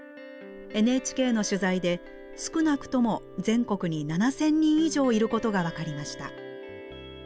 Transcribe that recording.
ＮＨＫの取材で少なくとも全国に７，０００人以上いることが分かりました。